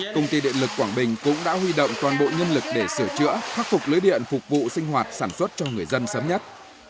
công ty điện lực quảng bình cũng đã huy động toàn bộ nhân lực để sửa chữa khắc phục lưới điện phục vụ sinh hoạt sản xuất cho người dân sớm nhất